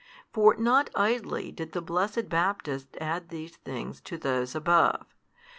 For not idly did the blessed Baptist add these things to, |189 those above.